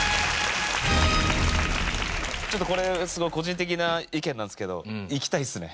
ちょっとこれすごい個人的な意見なんですけど行きたいですね。